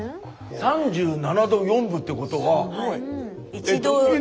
３７度４分ってことは。